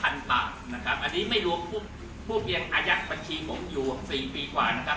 อันนี้ไม่รวมผู้เพียงอายัดบัญชีผมอยู่๔ปีกว่านะครับ